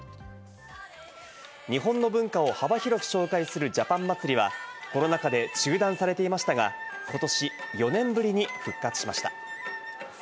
日本の文化を幅広く紹介するジャパン祭りはコロナ禍で中断されていましたが、ことし４年ぶりに復活しました。